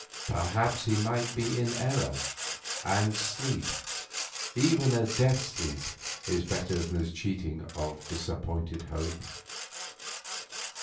Perhaps he might be in error, and sleep, even a death sleep, is better than the cheatings of disappointed hope.